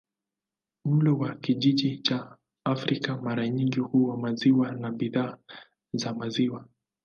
Mlo wa kijiji cha Afrika mara nyingi huwa maziwa na bidhaa za maziwa.